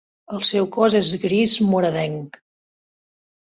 El seu cos és gris moradenc.